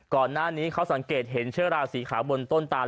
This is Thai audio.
ก่อนหน้านี้เขาสังเกตเห็นเชื้อราสีขาวบนต้นตาล